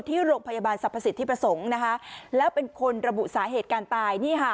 ที่โรงพยาบาลสรรพสิทธิประสงค์นะคะแล้วเป็นคนระบุสาเหตุการตายนี่ค่ะ